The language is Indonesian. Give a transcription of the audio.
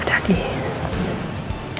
aku dapet dulu